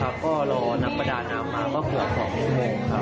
แล้วก็รอนักประดานนำมาเขือบ๒ชั่วโมงครับ